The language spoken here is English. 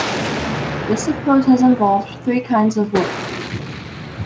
This approach has involved three kinds of work.